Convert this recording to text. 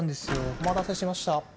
お待たせしました。